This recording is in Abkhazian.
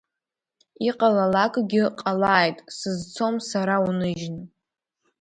Иҟалалакгьы ҟалааит, сызцом сара уныжьны!